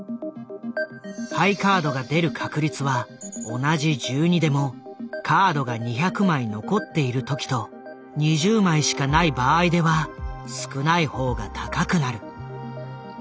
ハイカードが出る確率は同じ１２でもカードが２００枚残っている時と２０枚しかない場合では少ない方が高くなる。